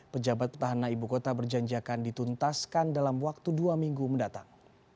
pejabat pertahanan ibu kota berjanjakan dituntaskan dalam waktu dua minggu mendatang